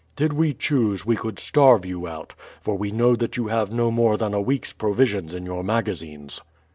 Did we choose we could starve you out, for we know that you have no more than a week's provisions in your magazines.